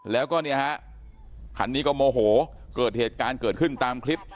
แล้วก็เนี่ยฮะคันนี้ก็โมโหเกิดเหตุการณ์เกิดขึ้นตามคลิป